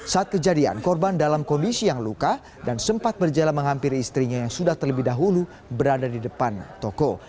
saat kejadian korban dalam kondisi yang luka dan sempat berjalan menghampiri istrinya yang sudah terlebih dahulu berada di depan toko